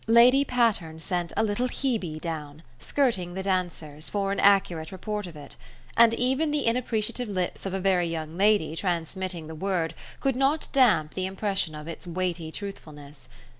Lady Patterne sent a little Hebe down, skirting the dancers, for an accurate report of it; and even the inappreciative lips of a very young lady transmitting the word could not damp the impression of its weighty truthfulness.